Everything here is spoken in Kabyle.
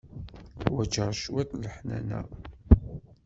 Ḥwaǧeɣ cwiṭ n leḥnana.